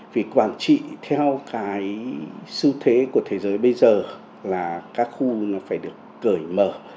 vì quản trị theo cái sư thế của thế giới bây giờ là các khu nó phải được cởi mở